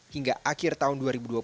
hingga akhir tahun dua ribu dua puluh